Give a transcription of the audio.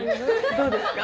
どうですか？